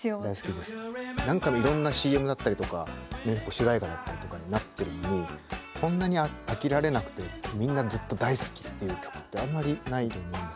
何回もいろんなＣＭだったりとか主題歌だったりとかになってるのにこんなに飽きられなくてみんなずっと大好きっていう曲ってあんまりないと思うんですよね。